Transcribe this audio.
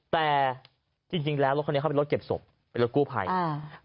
แต่จริงจริงแล้วรถคันนี้เขาเป็นรถเก็บศพเป็นรถกู้ภัยอ่า